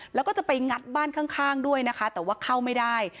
แล้วก็จะไปงัดบ้านข้างด้วยนะคะแต่ว่าเข้าไม่ได้